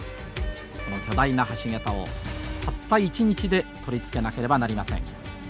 この巨大な橋桁をたった１日で取り付けなければなりません。